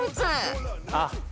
あっ。